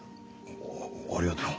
あありがとう。